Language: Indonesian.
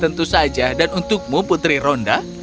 tentu saja danmu putri rhonda